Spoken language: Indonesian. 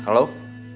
saya telepon dia